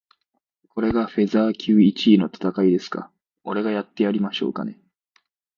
これがフェザー級一位の戦いですか？俺がやってやりましょうかね。